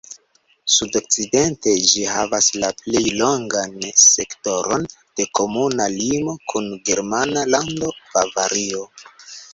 Sudokcidente ĝi havas la plej longan sektoron de komuna limo kun germana lando Bavario.